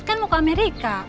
kan mau ke amerika